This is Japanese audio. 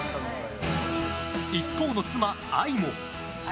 一方の妻・愛も。